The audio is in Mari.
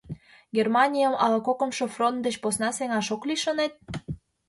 — Германийым ала кокымшо фронт деч посна сеҥаш ок лий, шонет?